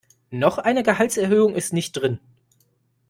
Noch eine Gehaltserhöhung ist nicht drin.